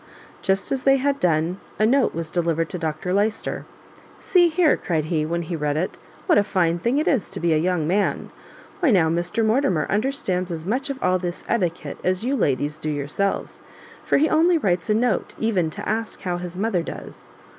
Just as they had done, a note was delivered to Dr Lyster; "see here," cried he, when he had read it, "what a fine thing it is to be a young man! Why now, Mr Mortimer understands as much of all this etiquette as you ladies do yourselves; for he only writes a note even to ask how his mother does."